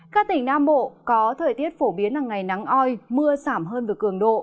các tỉnh nam bộ có thời tiết phổ biến là ngày nắng oi mưa giảm hơn về cường độ